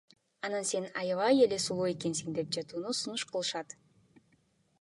Анан эле Сен аябай сулуу экенсиң деп жатууну сунуш кылышат.